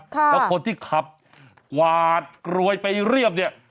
แล้วคนที่ขับกวาดกลวยไปเรียบเนี่ย